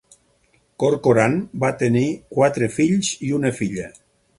Corcoran va tenir quatre fills i una filla.